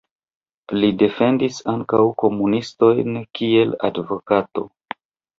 Li defendis ankaŭ komunistojn kiel advokato.